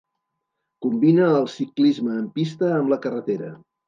Combina el ciclisme en pista amb la carretera.